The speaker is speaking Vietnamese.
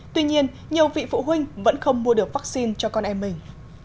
tuy nhiên nhiều vị phụ huynh vẫn không mua được vaccine cho con em mình